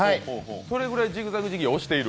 それぐらいジグザグジギーを推している。